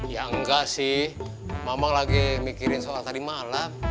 ya enggak sih mama lagi mikirin soal tadi malam